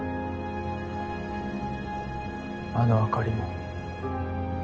あの明かりも。